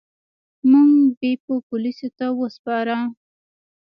موږ بیپو پولیسو ته وسپاره.